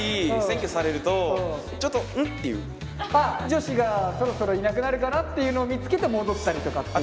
女子がそろそろいなくなるかなっていうのを見つけて戻ったりとかっていう？